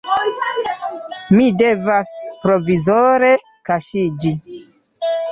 Mi devas provizore kaŝiĝi.